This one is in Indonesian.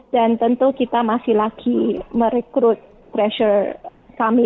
dan tentu kita masih lagi merekrut pressure kami